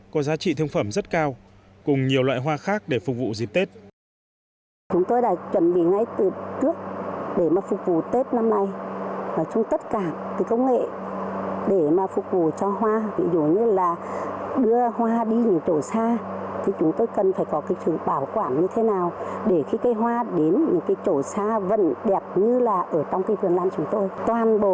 có giá trị thương phẩm rất cao cùng nhiều loại hoa khác để phục vụ dịp tết